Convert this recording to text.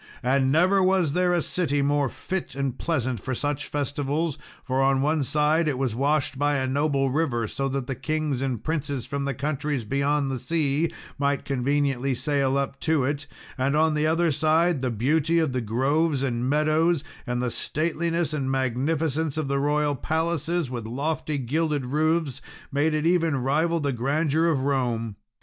And never was there a city more fit and pleasant for such festivals. For on one side it was washed by a noble river, so that the kings and princes from the countries beyond sea might conveniently sail up to it; and on the other side, the beauty of the groves and meadows, and the stateliness and magnificence of the royal palaces, with lofty gilded roofs, made it even rival the grandeur of Rome.